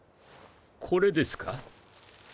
これですか？